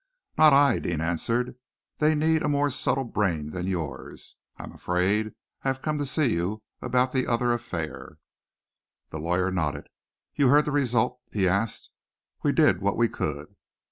"Not I," Deane answered. "They need a more subtle brain than yours, I am afraid. I have come to see you about the other affair." The lawyer nodded. "You heard the result?" he asked. "We did what we could."